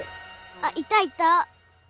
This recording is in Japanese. あっいたいた！